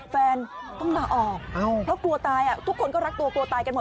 แฟนต้องลาออกเพราะกลัวตายทุกคนก็รักตัวกลัวตายกันหมด